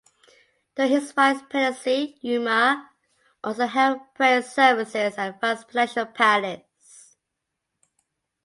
During his Vice Presidency, Umar also held prayer services at the Vice Presidential Palace.